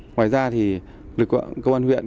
ngoài ra thì lực lượng công an huyện